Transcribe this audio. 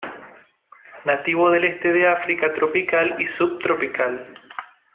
Nativo del este de África tropical y subtropical.